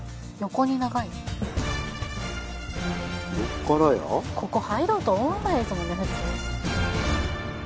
ここ入ろうと思わないですもんね普通。